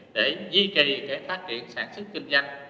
để duy trì phát triển sản xuất kinh doanh